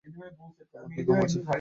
আমার কী কম আছে?